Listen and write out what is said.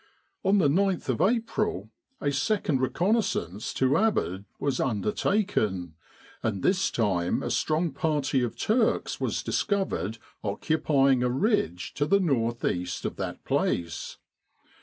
On the gth of April a second reconnaissance to Abd was under taken, and this time a strong party of Turks was dis covered occupying a ridge to the north east of that place.